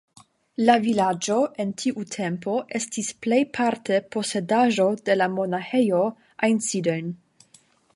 La vilaĝo en tiu tempo estis plej parte posedaĵo de la Monaĥejo Einsiedeln.